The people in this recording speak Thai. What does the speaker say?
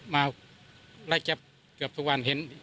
มาไล่จับเกือบทุกวันเห็น